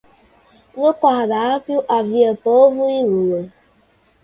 No cardápio, havia polvo e lula.